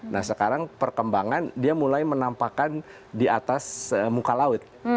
nah sekarang perkembangan dia mulai menampakkan di atas muka laut